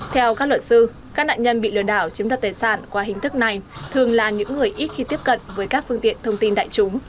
theo các luật sư các nạn nhân bị lừa đảo chiếm đặt tài sản qua hình thức này thường là những người ít khi tiếp cận với các phương tiện thông tin đại chúng